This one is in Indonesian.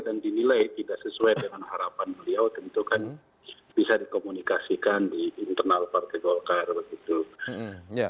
dan dinilai tidak sesuai dengan harapan beliau tentu kan bisa dikomunikasikan di internal partai golkar begitu